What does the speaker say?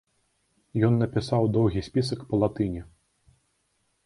Ён напісаў доўгі спісак па-латыні.